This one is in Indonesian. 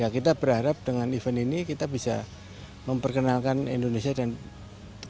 kita berharap dengan event ini kita bisa memperkenalkan indonesia dan indonesia